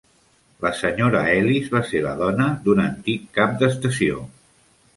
La senyora Ellis va ser la dona d'un antic cap d'estació.